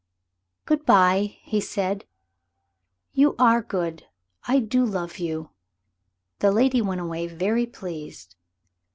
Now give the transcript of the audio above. "Good bye," he said; "you are good. I do love you." The lady went away very pleased.